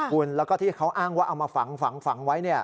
คุณแล้วก็ที่เขาอ้างว่าเอามาฝังไว้